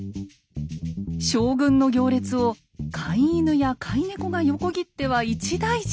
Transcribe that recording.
将軍の行列を飼い犬や飼い猫が横切っては一大事。